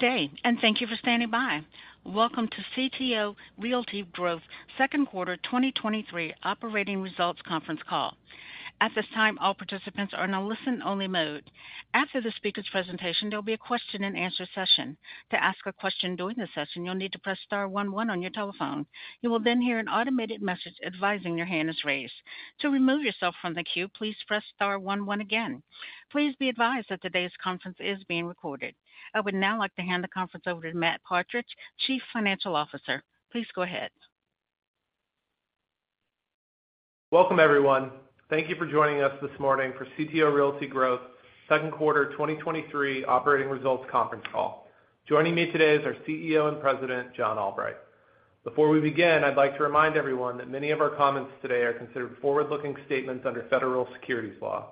Day. Thank you for standing by. Welcome to CTO Realty Growth Second Quarter 2023 operating results Conference Call. At this time, all participants are in a listen-only mode. After the speaker's presentation, there'll be a question-and-answer session. To ask a question during the session, you'll need to press star one one on your telephone. You will then hear an automated message advising your hand is raised. To remove yourself from the queue, please press star one one again. Please be advised that today's conference is being recorded. I would now like to hand the conference over to Matt Partridge, Chief Financial Officer. Please go ahead. Welcome, everyone. Thank you for joining us this morning for CTO Realty Growth second quarter 2023 operating results conference call. Joining me today is our CEO and President, John Albright. Before we begin, I'd like to remind everyone that many of our comments today are considered forward-looking statements under federal securities law.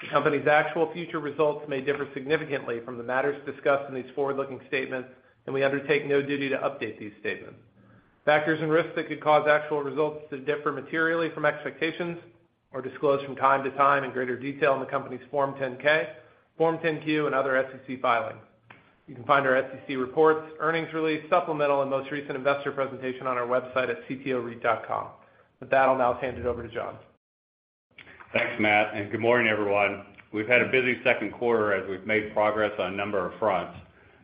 The company's actual future results may differ significantly from the matters discussed in these forward-looking statements, and we undertake no duty to update these statements. Factors and risks that could cause actual results to differ materially from expectations are disclosed from time to time in greater detail in the company's Form 10-K, Form 10-Q, and other SEC filings. You can find our SEC reports, earnings release, supplemental, and most recent investor presentation on our website at ctoreit.com. With that, I'll now hand it over to John. Thanks, Matt. Good morning, everyone. We've had a busy second quarter as we've made progress on a number of fronts.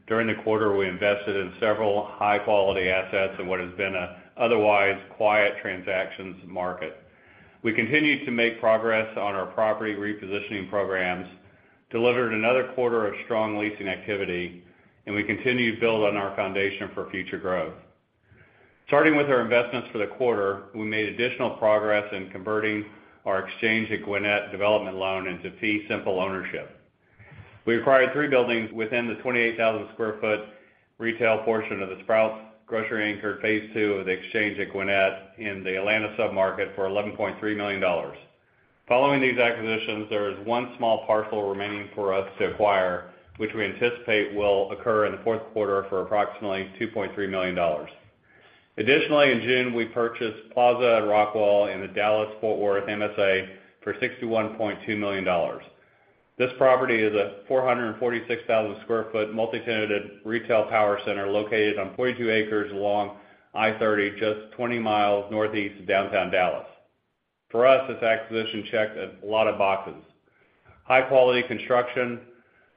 During the quarter, we invested in several high-quality assets in what has been a otherwise quiet transactions market. We continued to make progress on our property repositioning programs, delivered another quarter of strong leasing activity, and we continue to build on our foundation for future growth. Starting with our investments for the quarter, we made additional progress in converting our Exchange at Gwinnett development loan into fee simple ownership. We acquired three buildings within the 28,000 sq ft retail portion of the Sprouts grocery anchor, phase two of the Exchange at Gwinnett in the Atlanta submarket for $11.3 million. Following these acquisitions, there is one small parcel remaining for us to acquire, which we anticipate will occur in the fourth quarter for approximately $2.3 million. In June, we purchased Plaza at Rockwall in the Dallas-Fort Worth MSA for $61.2 million. This property is a 446,000 sq ft multi-tenanted retail power center located on 42 acres along I-30, just 20 miles northeast of downtown Dallas. For us, this acquisition checked a lot of boxes. High-quality construction,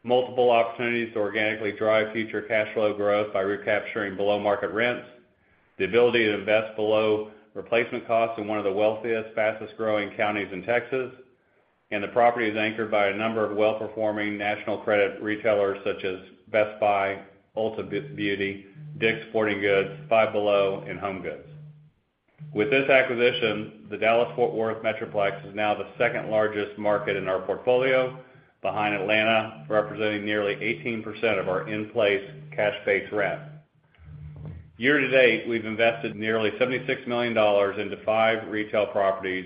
multiple opportunities to organically drive future cash flow growth by recapturing below-market rents, the ability to invest below replacement costs in one of the wealthiest, fastest-growing counties in Texas, and the property is anchored by a number of well-performing national credit retailers such as Best Buy, Ulta Beauty, Dick's Sporting Goods, Five Below, and HomeGoods. With this acquisition, the Dallas-Fort Worth Metroplex is now the second-largest market in our portfolio, behind Atlanta, representing nearly 18% of our in-place cash pace rent. Year to date, we've invested nearly $76 million into five retail properties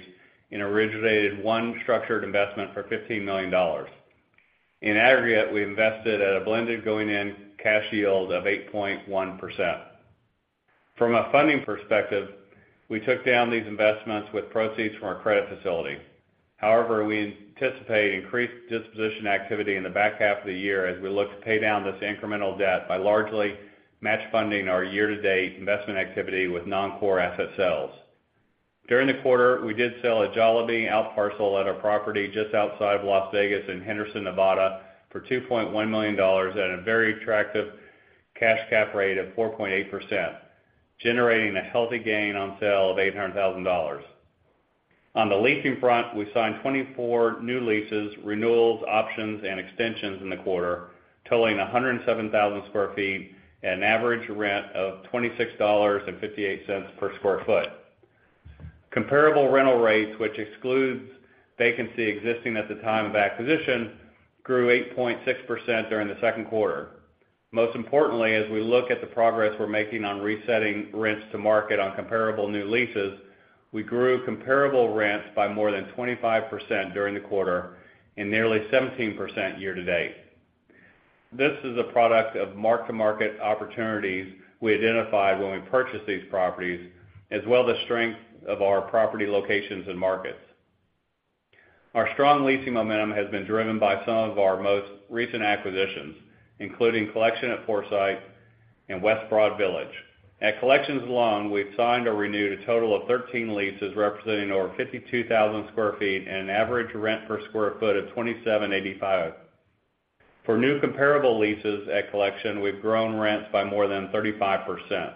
and originated one structured investment for $15 million. In aggregate, we invested at a blended going-in cash yield of 8.1%. From a funding perspective, we took down these investments with proceeds from our credit facility. However, we anticipate increased disposition activity in the back half of the year as we look to pay down this incremental debt by largely match funding our year-to-date investment activity with non-core asset sales. During the quarter, we did sell a Jollibee out parcel at a property just outside Las Vegas in Henderson, Nevada, for $2.1 million at a very attractive cash cap rate of 4.8%, generating a healthy gain on sale of $800,000. On the leasing front, we signed 24 new leases, renewals, options, and extensions in the quarter, totaling 107,000 sq ft at an average rent of $26.58 per square foot. Comparable rental rates, which excludes vacancy existing at the time of acquisition, grew 8.6% during the second quarter. Most importantly, as we look at the progress we're making on resetting rents to market on comparable new leases, we grew comparable rents by more than 25% during the quarter and nearly 17% year-to-date. This is a product of mark-to-market opportunities we identified when we purchased these properties, as well the strength of our property locations and markets. Our strong leasing momentum has been driven by some of our most recent acquisitions, including Collection at Forsyth and West Broad Village. At Collection alone, we've signed or renewed a total of 13 leases, representing over 52,000 sq ft and an average rent per square foot of $27.85. For new comparable leases at Collection, we've grown rents by more than 35%.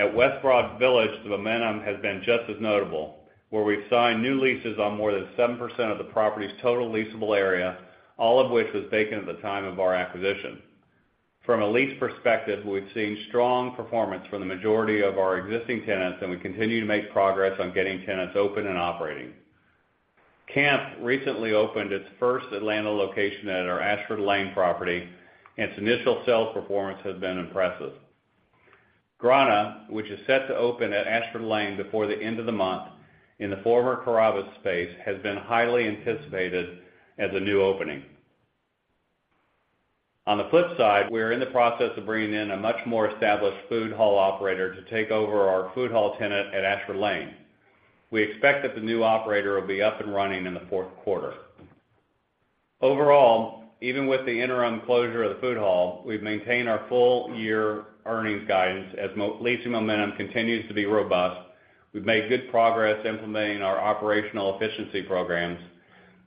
At West Broad Village, the momentum has been just as notable, where we've signed new leases on more than 7% of the property's total leasable area, all of which was vacant at the time of our acquisition. From a lease perspective, we've seen strong performance from the majority of our existing tenants, and we continue to make progress on getting tenants open and operating. CAMP recently opened its first Atlanta location at our Ashford Lane property, and its initial sales performance has been impressive. Grana, which is set to open at Ashford Lane before the end of the month in the former Carrabba's space, has been highly anticipated as a new opening. On the flip side, we are in the process of bringing in a much more established food hall operator to take over our food hall tenant at Ashford Lane. We expect that the new operator will be up and running in the fourth quarter. Overall, even with the interim closure of the food hall, we've maintained our full year earnings guidance as leasing momentum continues to be robust. We've made good progress implementing our operational efficiency programs,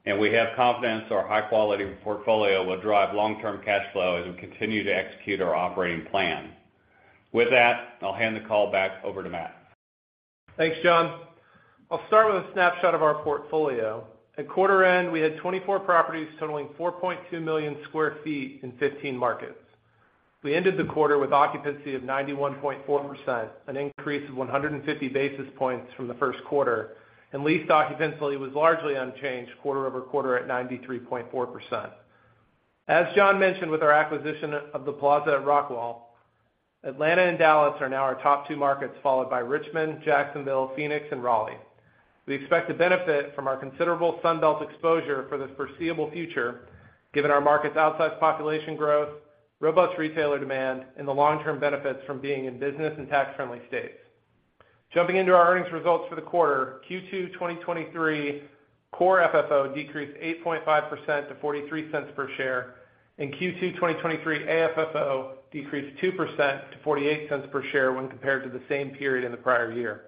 and we have confidence our high-quality portfolio will drive long-term cash flow as we continue to execute our operating plan. With that, I'll hand the call back over to Matt. Thanks, John. I'll start with a snapshot of our portfolio. At quarter end, we had 24 properties totaling 4.2 million sq ft in 15 markets. We ended the quarter with occupancy of 91.4%, an increase of 150 basis points from the 1st quarter, and leased occupancy was largely unchanged quarter-over-quarter at 93.4%. As John mentioned, with our acquisition of the Plaza at Rockwall, Atlanta and Dallas are now our top two markets, followed by Richmond, Jacksonville, Phoenix, and Raleigh. We expect to benefit from our considerable Sun Belt exposure for the foreseeable future, given our markets' outsized population growth, robust retailer demand, and the long-term benefits from being in business and tax-friendly states. Jumping into our earnings results for the quarter, Q2 2023, Core FFO decreased 8.5% to $0.43 per share, and Q2 2023 AFFO decreased 2% to $0.48 per share when compared to the same period in the prior year.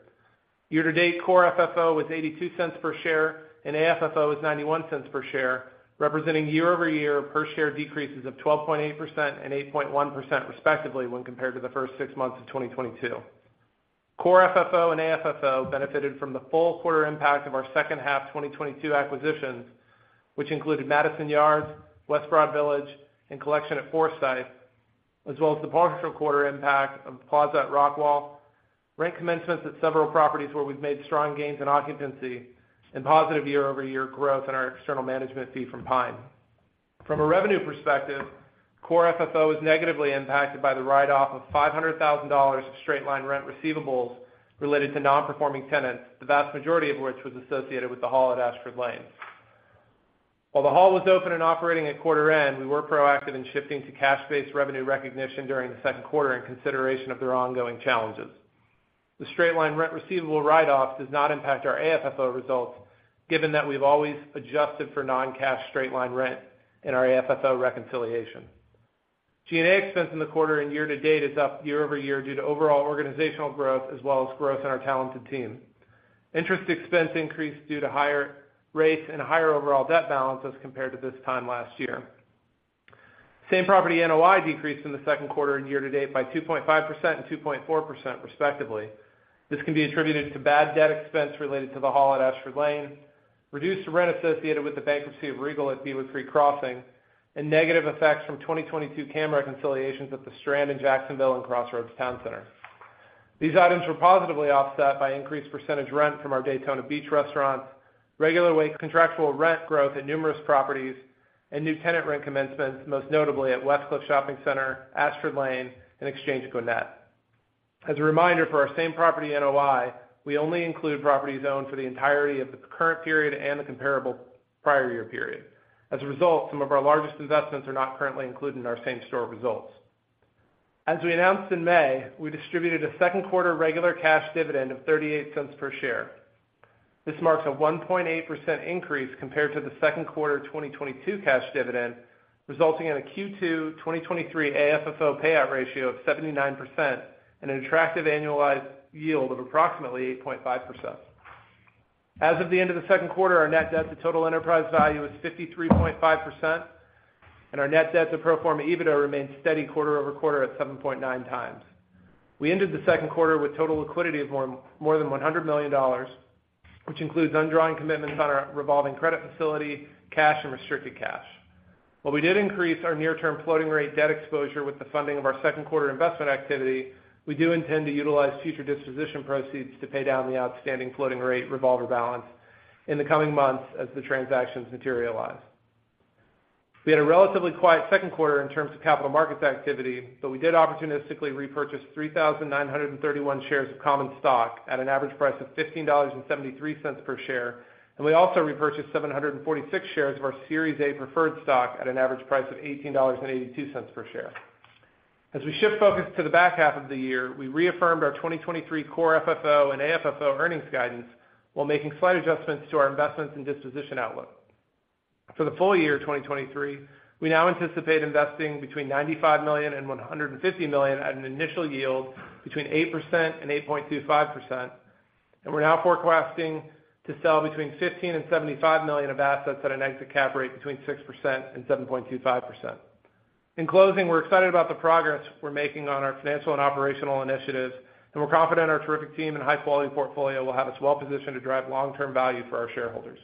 Year-to-date Core FFO was $0.82 per share, and AFFO was $0.91 per share, representing year-over-year per share decreases of 12.8% and 8.1%, respectively, when compared to the first 6 months of 2022. Core FFO and AFFO benefited from the full quarter impact of our second half 2022 acquisitions, which included Madison Yards, West Broad Village, and Collection at Forsyth, as well as the partial quarter impact of Plaza at Rockwall, rent commencements at several properties where we've made strong gains in occupancy, and positive year-over-year growth in our external management fee from Pine. From a revenue perspective, Core FFO was negatively impacted by the write-off of $500,000 of straight-line rent receivables related to non-performing tenants, the vast majority of which was associated with The Hall at Ashford Lane. While The Hall was open and operating at quarter end, we were proactive in shifting to cash-based revenue recognition during the second quarter in consideration of their ongoing challenges. The straight-line rent receivable write-off does not impact our AFFO results, given that we've always adjusted for non-cash straight-line rent in our AFFO reconciliation. G&A expense in the quarter and year to date is up year-over-year due to overall organizational growth, as well as growth in our talented team. Interest expense increased due to higher rates and higher overall debt balance as compared to this time last year. Same-Property NOI decreased in the second quarter and year to date by 2.5% and 2.4%, respectively. This can be attributed to bad debt expense related to The Hall at Ashford Lane, reduced rent associated with the bankruptcy of Regal at Beavercreek Crossing, and negative effects from 2022 CAM reconciliations at The Strand in Jacksonville and Crossroads Town Center. These items were positively offset by increased percentage rent from our Daytona Beach restaurant, regular weight contractual rent growth at numerous properties, and new tenant rent commencements, most notably at Westcliff Shopping Center, Ashford Lane, and Exchange at Gwinnett. As a reminder, for our Same-Property NOI, we only include properties owned for the entirety of the current period and the comparable prior year period. As a result, some of our largest investments are not currently included in our same-store results. As we announced in May, we distributed a second quarter regular cash dividend of $0.38 per share. This marks a 1.8% increase compared to the second quarter 2022 cash dividend, resulting in a Q2 2023 AFFO payout ratio of 79% and an attractive annualized yield of approximately 8.5%. As of the end of the second quarter, our Net Debt to Total Enterprise Value is 53.5%, and our Net Debt to Pro Forma EBITDA remains steady quarter-over-quarter at 7.9 times. We ended the second quarter with total liquidity of more, more than $100 million, which includes undrawn commitments on our revolving credit facility, cash, and restricted cash. While we did increase our near-term floating rate debt exposure with the funding of our second quarter investment activity, we do intend to utilize future disposition proceeds to pay down the outstanding floating rate revolver balance in the coming months as the transactions materialize. We had a relatively quiet second quarter in terms of capital markets activity, but we did opportunistically repurchase 3,931 shares of common stock at an average price of $15.73 per share, and we also repurchased 746 shares of our Series A Preferred Stock at an average price of $18.82 per share. As we shift focus to the back half of the year, we reaffirmed our 2023 Core FFO and AFFO earnings guidance while making slight adjustments to our investments and disposition outlook. For the full year 2023, we now anticipate investing between $95 million and $150 million at an initial yield between 8% and 8.25%. We're now forecasting to sell between $15 million and $75 million of assets at an exit cap rate between 6% and 7.25%. In closing, we're excited about the progress we're making on our financial and operational initiatives. We're confident our terrific team and high-quality portfolio will have us well-positioned to drive long-term value for our shareholders.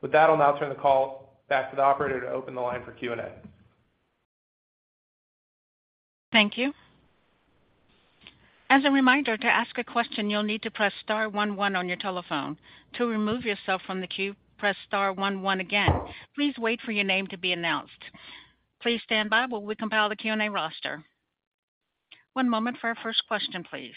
With that, I'll now turn the call back to the operator to open the line for Q&A. Thank you. As a reminder, to ask a question, you'll need to press star one one on your telephone. To remove yourself from the queue, press star one one again. Please wait for your name to be announced. Please stand by while we compile the Q&A roster. One moment for our first question, please.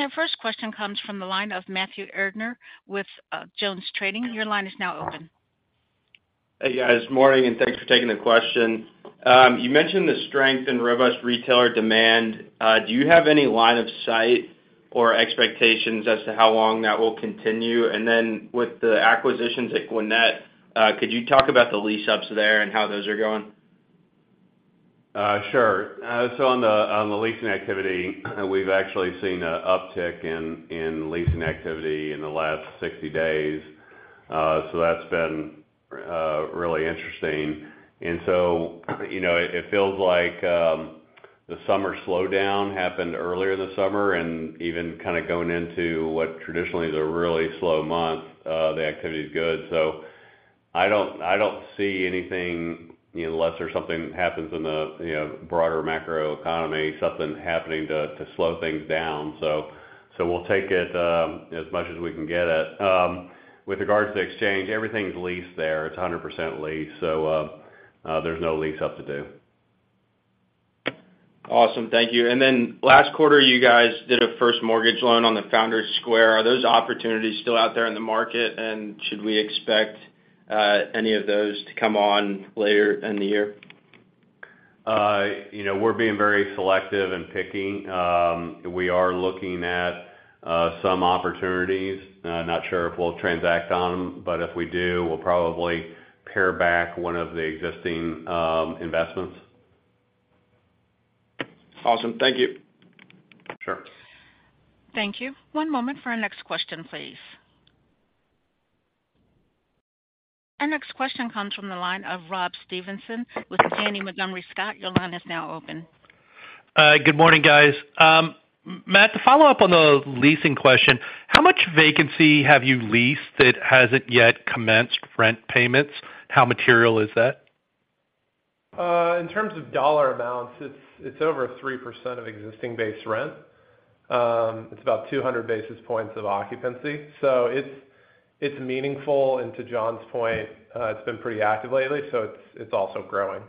Our first question comes from the line of Matthew Erdner with JonesTrading. Your line is now open. Hey, guys. Morning, and thanks for taking the question. You mentioned the strength in robust retailer demand. Do you have any line of sight or expectations as to how long that will continue? With the acquisitions at Gwinnett, could you talk about the lease-ups there and how those are going? On the, on the leasing activity, we've actually seen a uptick in, in leasing activity in the last 60 days. That's been really interesting. You know, it, it feels like the summer slowdown happened earlier in the summer, and even kind of going into what traditionally is a really slow month, the activity is good. I don't, I don't see anything, unless there's something happens in the, you know, broader macroeconomy, something happening to, to slow things down. We'll take it as much as we can get it. With regards to Exchange, everything's leased there. It's 100% leased, there's no lease up to do. Awesome. Thank you. Then last quarter, you guys did a first mortgage loan on the Founders Square. Are those opportunities still out there in the market? Should we expect any of those to come on later in the year? You know, we're being very selective in picking. We are looking at some opportunities. Not sure if we'll transact on them, but if we do, we'll probably pare back one of the existing investments. Awesome. Thank you. Sure. Thank you. One moment for our next question, please. Our next question comes from the line of Robert Stevenson with Janney Montgomery Scott. Your line is now open. Good morning, guys. Matt, to follow up on the leasing question, how much vacancy have you leased that hasn't yet commenced rent payments? How material is that? In terms of dollar amounts, it's over 3% of existing base rent. It's about 200 basis points of occupancy, so it's meaningful, and to John's point, it's been pretty active lately, so it's also growing.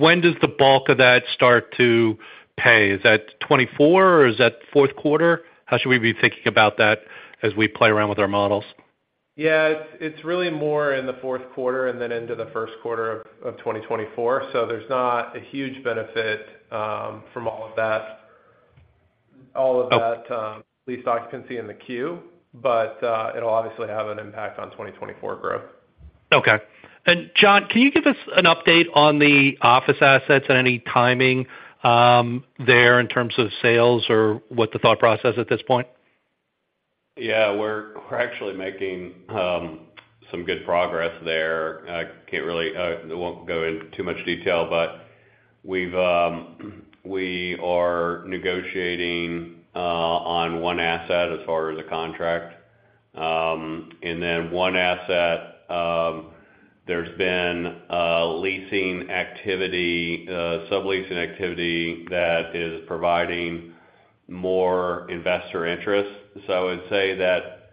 When does the bulk of that start to pay? Is that 2024 or is that fourth quarter? How should we be thinking about that as we play around with our models? Yeah, it's, it's really more in the fourth quarter and then into the first quarter of, of 2024. There's not a huge benefit, from all of that, all of that. Okay. lease occupancy in the Q, but it'll obviously have an impact on 2024 growth. Okay. John, can you give us an update on the office assets and any timing there in terms of sales or what the thought process at this point? Yeah, we're, we're actually making some good progress there. I can't really, I won't go into too much detail, we've, we are negotiating on one asset as far as the contract. One asset, there's been a leasing activity, subleasing activity that is providing more investor interest. I would say that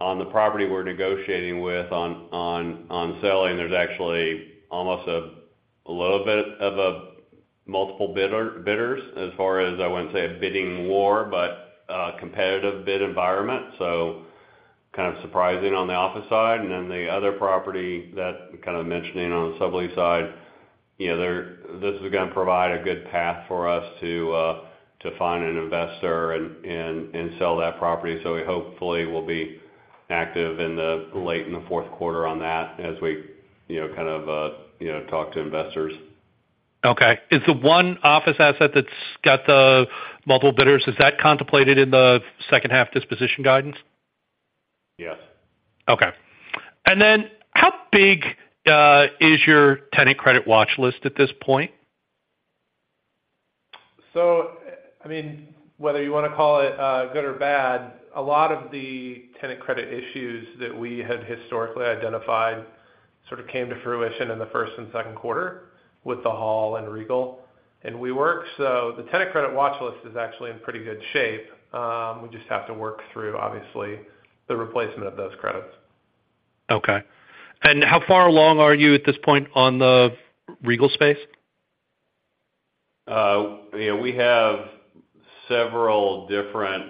on the property we're negotiating with, on, on, on selling, there's actually almost a little bit of a multiple bidder, bidders as far as, I wouldn't say a bidding war, but a competitive bid environment. Kind of surprising on the office side. The other property that kind of mentioning on the sublease side, you know, this is gonna provide a good path for us to find an investor and, and, and sell that property. We hopefully will be active in the late, in the fourth quarter on that as we, you know, kind of, you know, talk to investors. Okay. Is the one office asset that's got the multiple bidders, is that contemplated in the second half disposition guidance? Yes. Okay. Then, how big is your tenant credit watch list at this point? I mean, whether you want to call it, good or bad, a lot of the tenant credit issues that we had historically identified sort of came to fruition in the first and second quarter with the Hall and Regal and WeWork. The tenant credit watch list is actually in pretty good shape. We just have to work through, obviously, the replacement of those credits. Okay. How far along are you at this point on the Regal space? You know, we have several different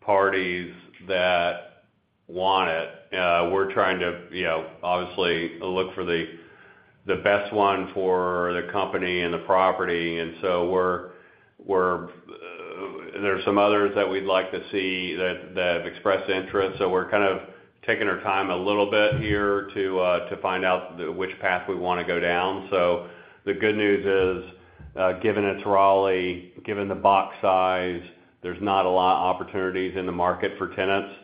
parties that want it. We're trying to, you know, obviously, look for the, the best one for the company and the property, and so we're, we're there are some others that we'd like to see that, that have expressed interest, so we're kind of taking our time a little bit here to find out which path we want to go down. The good news is, given it's Raleigh, given the box size, there's not a lot of opportunities in the market for tenants,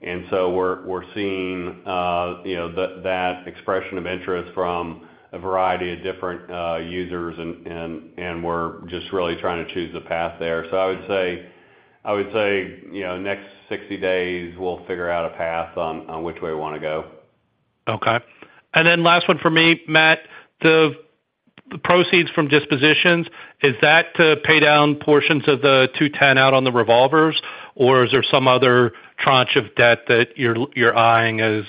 and so we're, we're seeing, you know, that, that expression of interest from a variety of different users, and, and, and we're just really trying to choose the path there. I would say, I would say, you know, next 60 days, we'll figure out a path on, on which way we wanna go. Okay. Then last one for me, Matt. The proceeds from dispositions, is that to pay down portions of the $210 out on the revolvers, or is there some other tranche of debt that you're eyeing as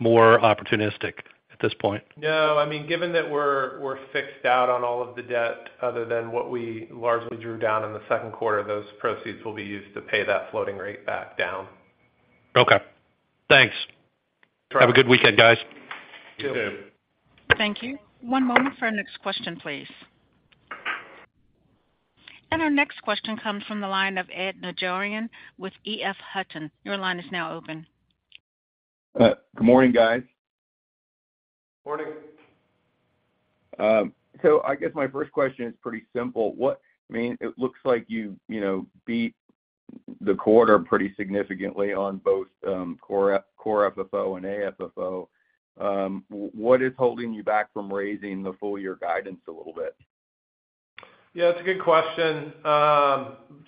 more opportunistic at this point? No, I mean, given that we're, we're fixed out on all of the debt other than what we largely drew down in the second quarter, those proceeds will be used to pay that floating rate back down. Okay, thanks. Have a good weekend, guys. You too. Thank you. One moment for our next question, please. Our next question comes from the line of Edward Najarian with EF Hutton. Your line is now open. Good morning, guys. Morning. I guess my first question is pretty simple: I mean, it looks like you, you know, beat the quarter pretty significantly on both, core FFO and AFFO. What is holding you back from raising the full year guidance a little bit? Yeah, that's a good question.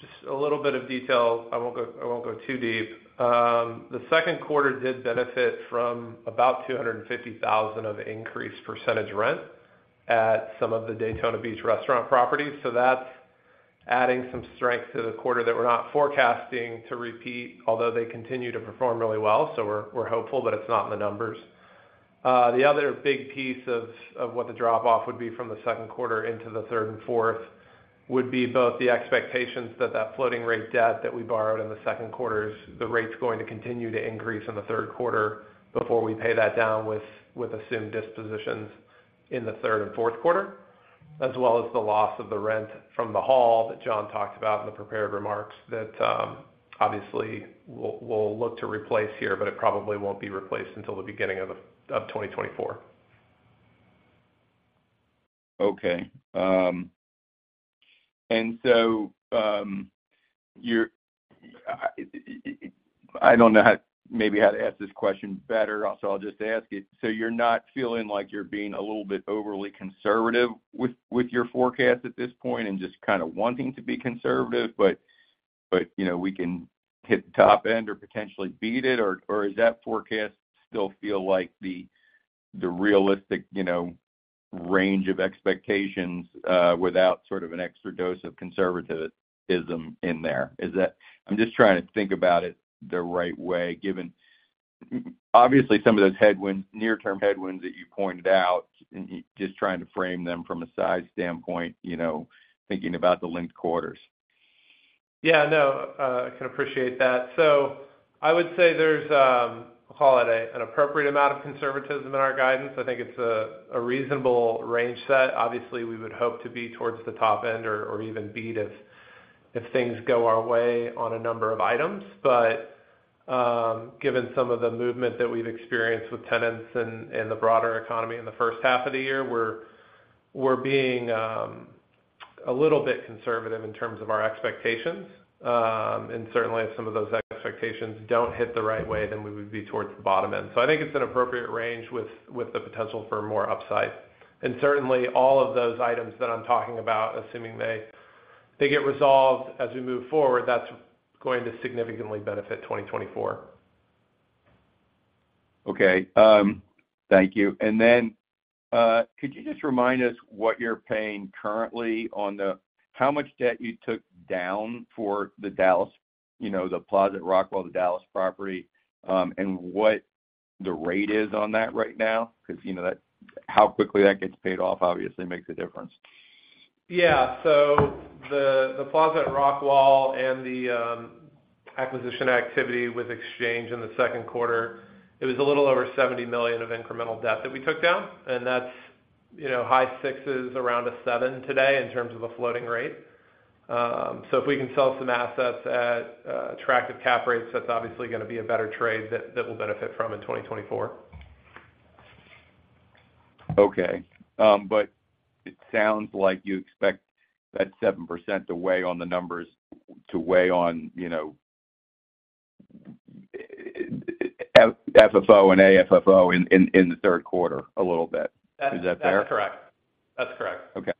Just a little bit of detail. I won't go, I won't go too deep. The second quarter did benefit from about $250,000 of increased percentage rent at some of the Daytona Beach restaurant properties. That's adding some strength to the quarter that we're not forecasting to repeat, although they continue to perform really well, so we're, we're hopeful, but it's not in the numbers. The other big piece of what the drop-off would be from the second quarter into the third and fourth, would be both the expectations that floating rate debt that we borrowed in the second quarter, the rate's going to continue to increase in the third quarter before we pay that down with assumed dispositions in the third and fourth quarter. As well as the loss of the rent from the Hall that John talked about in the prepared remarks, that, obviously, we'll, we'll look to replace here, but it probably won't be replaced until the beginning of, of 2024. Okay. So, I don't know how, maybe how to ask this question better, so I'll just ask it. You're not feeling like you're being a little bit overly conservative with, with your forecast at this point, and just kind of wanting to be conservative, but, but, you know, we can hit the top end or potentially beat it, or, or does that forecast still feel like the, the realistic, you know, range of expectations without sort of an extra dose of conservatism in there? I'm just trying to think about it the right way, given, obviously, some of those headwinds, near-term headwinds that you pointed out, and just trying to frame them from a size standpoint, you know, thinking about the linked quarters. Yeah, no, I can appreciate that. I would say there's, call it a, an appropriate amount of conservatism in our guidance. I think it's a, a reasonable range set. Obviously, we would hope to be towards the top end or, or even beat if, if things go our way on a number of items. Given some of the movement that we've experienced with tenants and, and the broader economy in the first half of the year, we're, we're being a little bit conservative in terms of our expectations. Certainly if some of those expectations don't hit the right way, then we would be towards the bottom end. I think it's an appropriate range with, with the potential for more upside. Certainly, all of those items that I'm talking about, assuming they get resolved as we move forward, that's going to significantly benefit 2024. Okay. Thank you. And then, could you just remind us what you're paying currently on the-- how much debt you took down for the Dallas, you know, the Plaza at Rockwall, the Dallas property, and what the rate is on that right now? Because, you know, that, how quickly that gets paid off obviously makes a difference. Yeah. The, the Plaza at Rockwall and the acquisition activity with Exchange in the second quarter, it was a little over $70 million of incremental debt that we took down. That's, you know, high sixes, around a seven today in terms of a floating rate. If we can sell some assets at attractive cap rates, that's obviously going to be a better trade that, that we'll benefit from in 2024. Okay. It sounds like you expect that 7% to weigh on the numbers, to weigh on, you know, FFO and AFFO in the third quarter a little bit. Is that fair? That's correct. That's correct. Okay.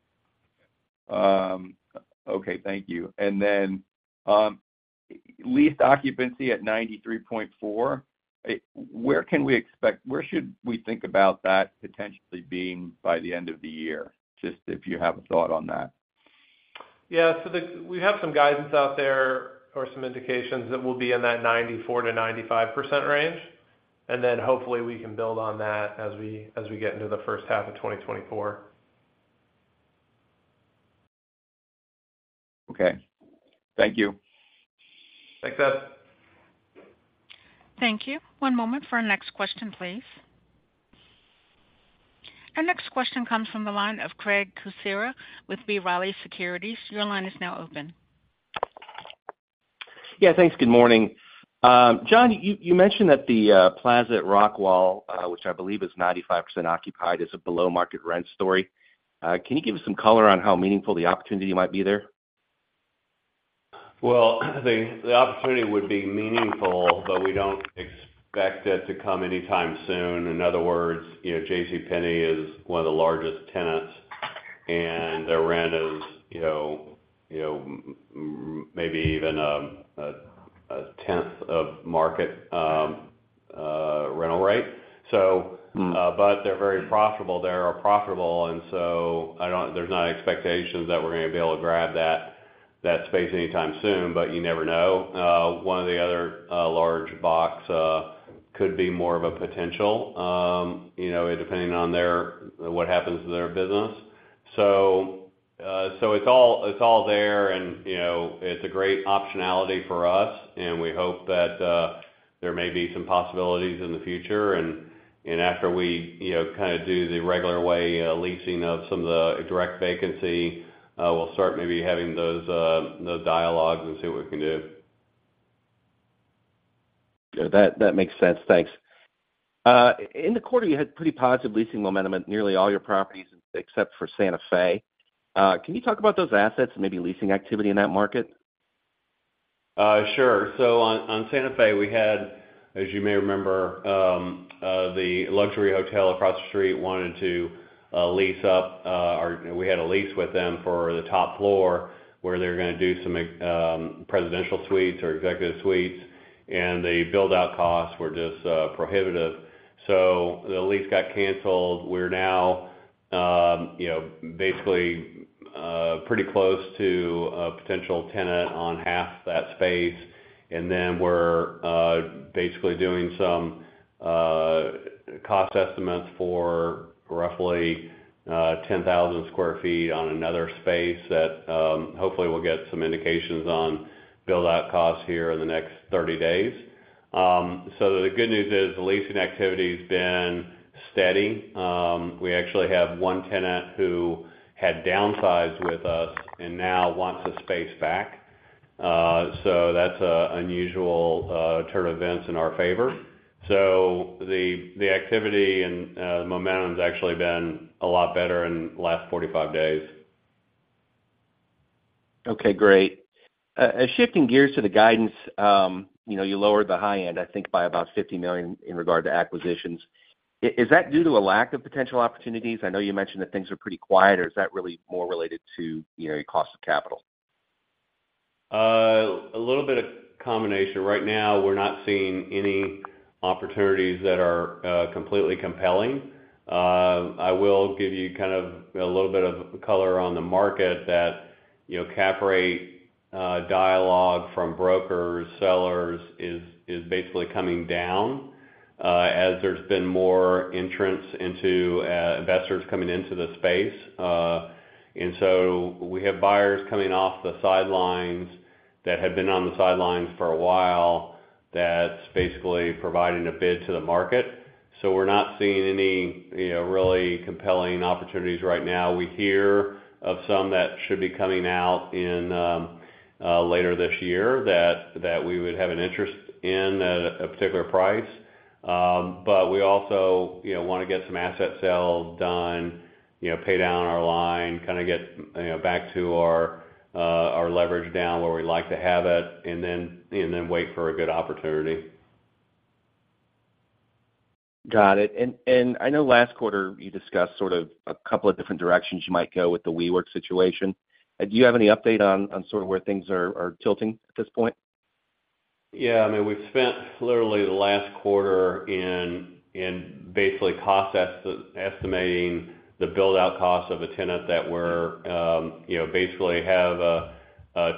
Okay, thank you. Lease occupancy at 93.4, where should we think about that potentially being by the end of the year? Just if you have a thought on that. Yeah. We have some guidance out there or some indications that we'll be in that 94%-95% range, and then hopefully we can build on that as we, as we get into the first half of 2024. Okay. Thank you. Thanks, Ed. Thank you. One moment for our next question, please. Our next question comes from the line of Craig Kucera with B. Riley Securities. Your line is now open. Yeah, thanks. Good morning. John, you, you mentioned that the Plaza at Rockwall, which I believe is 95% occupied, is a below-market rent story. Can you give us some color on how meaningful the opportunity might be there? Well, the opportunity would be meaningful. We don't expect it to come anytime soon. In other words, you know, JCPenney is one of the largest tenants. Their rent is, you know, you know, maybe even a tenth of market rental rate. They're very profitable. They are profitable. There's not expectations that we're going to be able to grab that, that space anytime soon, but you never know. One of the other large box could be more of a potential, you know, depending on their, what happens to their business. So it's all, it's all there, and, you know, it's a great optionality for us, and we hope that, there may be some possibilities in the future. And after we, you know, kind of do the regular way, leasing of some of the direct vacancy, we'll start maybe having those, those dialogues and see what we can do. That, that makes sense. Thanks. In the quarter, you had pretty positive leasing momentum at nearly all your properties except for Santa Fe. Can you talk about those assets and maybe leasing activity in that market? Sure. On, on Santa Fe, we had, as you may remember, the luxury hotel across the street wanted to lease up, or we had a lease with them for the top floor, where they were gonna do some presidential suites or executive suites, and the build-out costs were just prohibitive. The lease got canceled. We're now, you know, basically, pretty close to a potential tenant on half that space. We're basically doing some cost estimates for roughly 10,000 sq ft on another space that, hopefully, we'll get some indications on build-out costs here in the next 30 days. The good news is, the leasing activity's been steady. We actually have one tenant who had downsized with us and now wants the space back. that's a unusual turn of events in our favor. The, the activity and, the momentum's actually been a lot better in the last 45 days. Okay, great. Shifting gears to the guidance, you know, you lowered the high end, I think, by about $50 million in regard to acquisitions. Is that due to a lack of potential opportunities? I know you mentioned that things are pretty quiet, or is that really more related to, you know, your cost of capital? A little bit of combination. Right now, we're not seeing any opportunities that are completely compelling. I will give you kind of a little bit of color on the market that, you know, cap rate dialogue from brokers, sellers, is basically coming down as there's been more entrants into investors coming into the space. We have buyers coming off the sidelines that have been on the sidelines for a while, that's basically providing a bid to the market. We're not seeing any, you know, really compelling opportunities right now. We hear of some that should be coming out in later this year, that we would have an interest in at a particular price. We also, you know, wanna get some asset sales done, you know, pay down our line, kind of get, you know, back to our, our leverage down where we like to have it and then, and then wait for a good opportunity. Got it. I know last quarter, you discussed sort of a couple of different directions you might go with the WeWork situation. Do you have any update on, on sort of where things are, are tilting at this point? Yeah. I mean, we've spent literally the last quarter in, in basically cost estimating the build-out costs of a tenant that we're, you know, basically have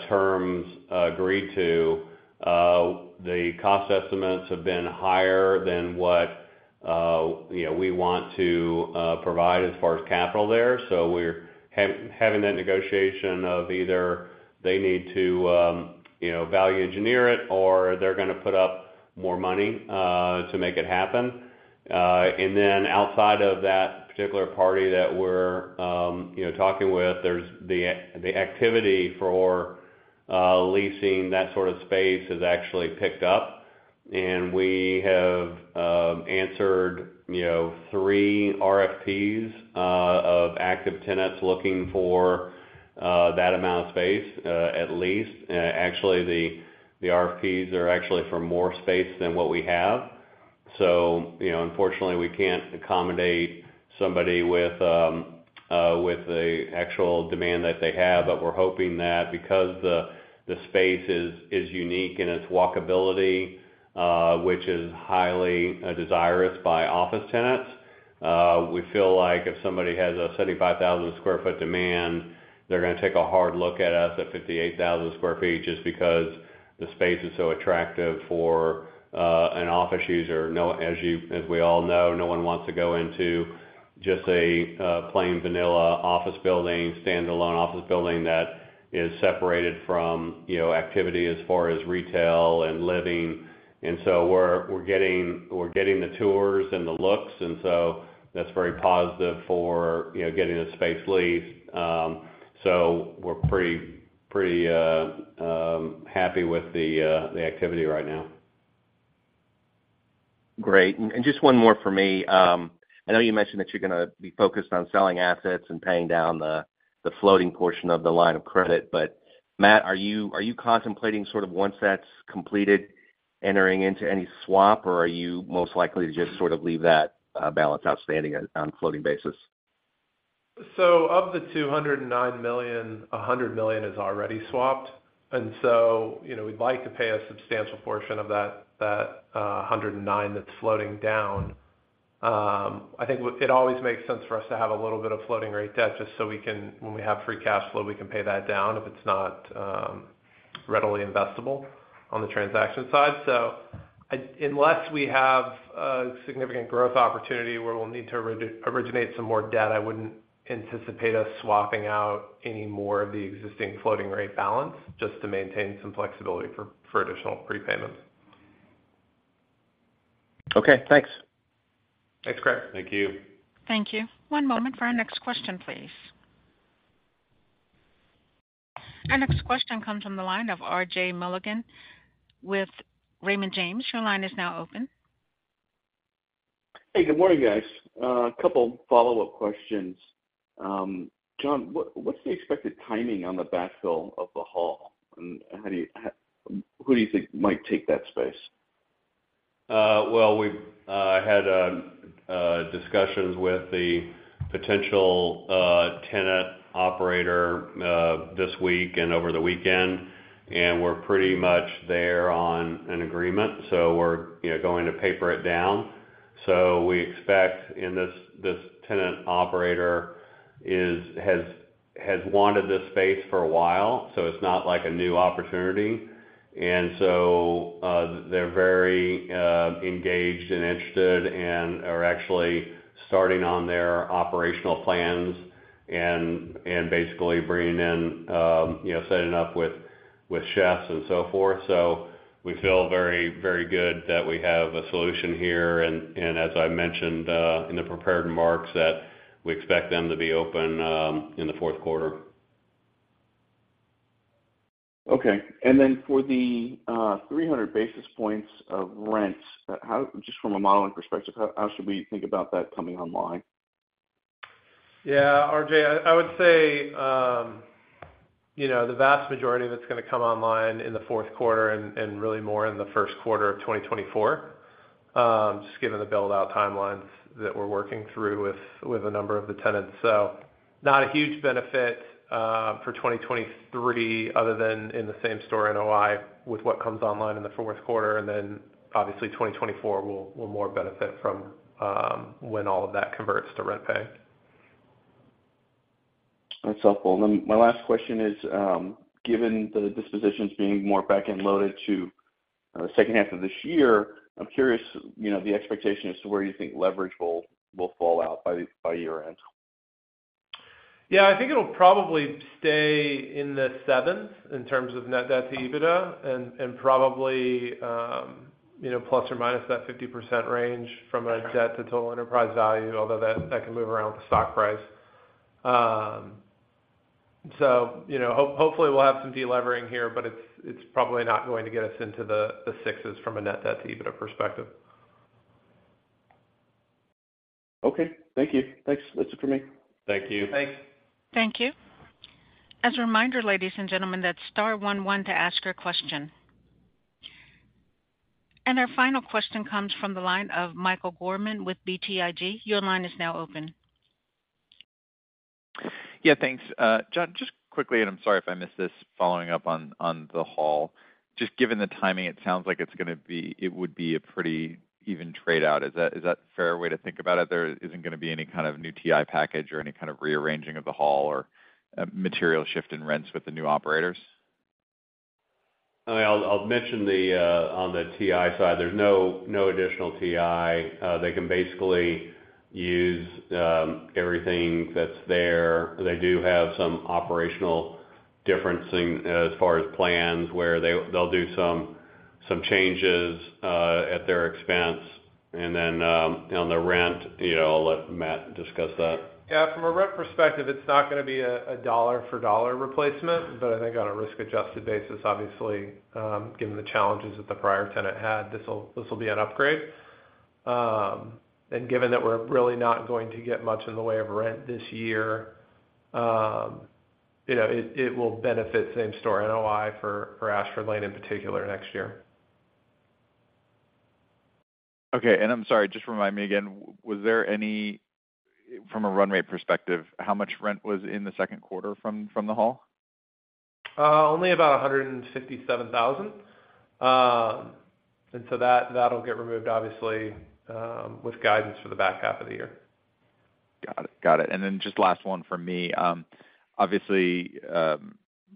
terms agreed to. The cost estimates have been higher than what, you know, we want to provide as far as capital there. We're having that negotiation of either they need to, you know, value engineer it, or they're gonna put up more money to make it happen. Outside of that particular party that we're, you know, talking with, there's the activity for leasing that sort of space has actually picked up. We have answered, you know, 3 RFPs of active tenants looking for that amount of space at least. Actually, the RFPs are actually for more space than what we have. You know, unfortunately, we can't accommodate somebody with the actual demand that they have. We're hoping that because the space is unique in its walkability, which is highly desirous by office tenants, we feel like if somebody has a 75,000 sq ft demand, they're gonna take a hard look at us at 58,000 sq ft, just because the space is so attractive for an office user. As we all know, no one wants to go into just a plain vanilla office building, standalone office building that is separated from, you know, activity as far as retail and living. We're, we're getting, we're getting the tours and the looks, and so that's very positive for, you know, getting the space leased. We're pretty, pretty happy with the activity right now. Great. Just one more for me. I know you mentioned that you're gonna be focused on selling assets and paying down the, the floating portion of the line of credit. Matt, are you, are you contemplating sort of, once that's completed, entering into any swap, or are you most likely to just sort of leave that balance outstanding on, on a floating basis? Of the $209 million, $100 million is already swapped. You know, we'd like to pay a substantial portion of that, that, $109 that's floating down. I think it always makes sense for us to have a little bit of floating rate debt, just so we can, when we have free cash flow, we can pay that down if it's not readily investable on the transaction side. Unless we have a significant growth opportunity where we'll need to originate some more debt, I wouldn't anticipate us swapping out any more of the existing floating rate balance just to maintain some flexibility for, for additional prepayments. Okay, thanks. Thanks, Greg. Thank you. Thank you. One moment for our next question, please. Our next question comes from the line of RJ Milligan with Raymond James. Your line is now open. Hey, good morning, guys. A couple follow-up questions. John, what's the expected timing on the backfill of the hall? Who do you think might take that space? Well, we've had discussions with the potential tenant operator this week and over the weekend, and we're pretty much there on an agreement. We're, you know, going to paper it down. We expect, and this, this tenant operator is, has, has wanted this space for a while, so it's not like a new opportunity. They're very engaged and interested and are actually starting on their operational plans and, and basically bringing in, you know, setting up with, with chefs and so forth. We feel very, very good that we have a solution here, and, and as I mentioned, in the prepared remarks, that we expect them to be open in the fourth quarter. Okay. Then for the, 300 basis points of rent, just from a modeling perspective, how, how should we think about that coming online? Yeah, RJ, I, I would say, you know, the vast majority of it's gonna come online in the fourth quarter and, and really more in the first quarter of 2024, just given the build-out timelines that we're working through with, with a number of the tenants. Not a huge benefit for 2023, other than in the same-store NOI, with what comes online in the fourth quarter, and then obviously, 2024 will, will more benefit from when all of that converts to rent pay. That's helpful. My last question is, given the dispositions being more back-end loaded to the second half of this year, I'm curious, you know, the expectation as to where you think leverage will, will fall out by year-end. Yeah, I think it'll probably stay in the 7s in terms of Net Debt to EBITDA, and, and probably, you know, plus or minus that 50% range from a debt to Total Enterprise Value, although that, that can move around with stock price. You know, hopefully, we'll have some delevering here, but it's, it's probably not going to get us into the, the 6s from a Net Debt to EBITDA perspective. Okay. Thank you. Thanks. That's it for me. Thank you. Thanks. Thank you. As a reminder, ladies and gentlemen, that's star one one to ask your question. Our final question comes from the line of Michael Gorman with BTIG. Your line is now open. Yeah, thanks. John, just quickly, and I'm sorry if I missed this, following up on, on the hall. Just given the timing, it sounds like it would be a pretty even trade-out. Is that, is that a fair way to think about it? There isn't gonna be any kind of new TI package or any kind of rearranging of the hall or a material shift in rents with the new operators? I mean, I'll, I'll mention the on the TI side, there's no, no additional TI. They can basically use everything that's there. They do have some operational differencing as far as plans, where they, they'll do some changes at their expense. Then, on the rent, you know, I'll let Matt discuss that. Yeah, from a rent perspective, it's not gonna be a, a dollar-for-dollar replacement, but I think on a risk-adjusted basis, obviously, given the challenges that the prior tenant had, this will, this will be an upgrade. Given that we're really not going to get much in the way of rent this year, you know, it, it will benefit Same-store NOI for, for Ashford Lane in particular next year. Okay, I'm sorry, just remind me again, from a run rate perspective, how much rent was in the second quarter from the Hall? Only about $157,000. So that, that'll get removed, obviously, with guidance for the back half of the year. Got it. Got it. Just last one from me. Obviously,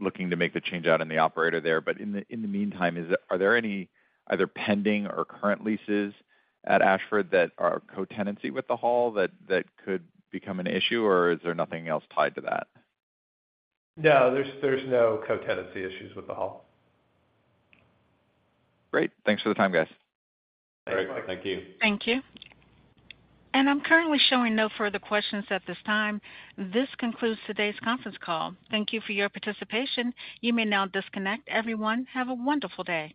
looking to make the change-out in the operator there, in the meantime, are there any, either pending or current leases at Ashford that are co-tenancy with the hall, that, that could become an issue, or is there nothing else tied to that? No, there's, there's no co-tenancy issues with the hall. Great. Thanks for the time, guys. All right, thank you. Thank you. I'm currently showing no further questions at this time. This concludes today's conference call. Thank you for your participation. You may now disconnect. Everyone, have a wonderful day.